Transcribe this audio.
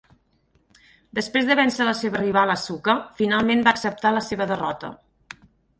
Després de vèncer la seva rival Asuka, finalment va acceptar la seva derrota.